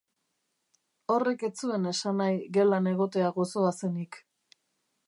Horrek ez zuen esan nahi gelan egotea gozoa zenik.